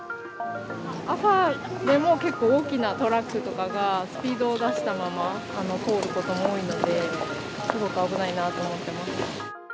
朝でも結構大きなトラックとかが、スピードを出したまま通ることも多いので、すごく危ないなと思ってます。